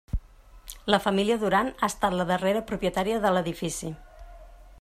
La família Duran ha estat la darrera propietària de l'edifici.